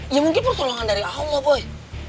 ya mungkin pertolongan dari allah boy